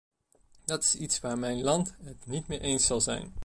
Dat is iets waar mijn land het niet mee eens zal zijn.